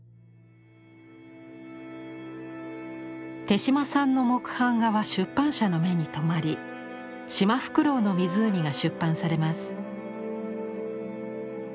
手島さんの木版画は出版社の目に留まり「しまふくろうのみずうみ」が出版されます。